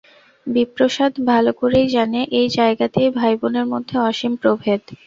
বিপ্রদাস ভালো করেই জানে, এই জায়গাতেই ভাইবোনের মধ্যে অসীম প্রভেদ।